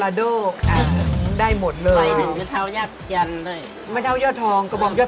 ได้ทุกวัยเลยจ้างแต่วัยสาววัยหนุ่มวัยแก่วัยเท่า